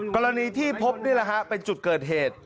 กรณีที่พบเป็นจุดเกิดเหตุ